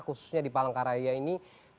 khususnya di palangkaraya ini